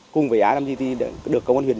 cùng với ai làm gì thì được công an huyền